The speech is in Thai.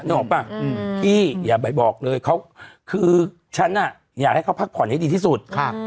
ออกป่ะพี่อย่าไปบอกเลยคือฉันอยากให้เขาพักผ่อนให้ดีที่สุด